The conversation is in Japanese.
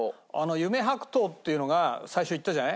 夢白桃っていうのが最初言ったじゃない？